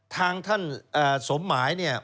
ทางท่านสมหมายเนี่ย